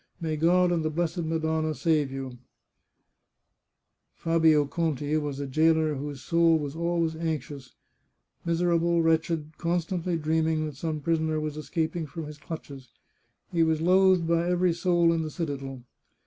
May God and the blessed Ma donna preserve you !" Fabio Conti was a jailer whose soul was always anxious, miserable, wretched, constantly dreaming that some prisoner was escaping from his clutches. He was loathed by every soul in the citadel.